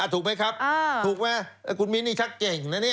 ถูกไหมครับถูกไหมคุณมิ้นนี่ชักเก่งนะเนี่ย